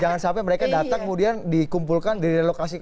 jangan sampai mereka datang kemudian dikumpulkan dari lokasi